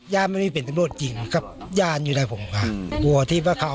ย่านไม่มีเป็นตำรวจจริงครับย่านอยู่ใดผมค่ะ